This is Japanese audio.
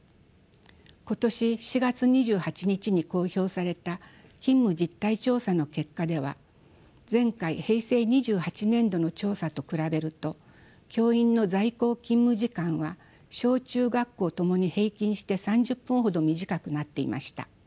今年４月２８日に公表された勤務実態調査の結果では前回平成２８年度の調査と比べると教員の在校勤務時間は小・中学校ともに平均して３０分ほど短くなっていました。